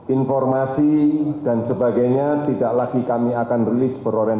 informasi dan sebagainya tidak lagi kami akan release berolahraga